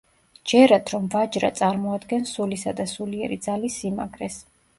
ჯერათ, რომ ვაჯრა წარმოადგენს სულისა და სულიერი ძალის სიმაგრეს.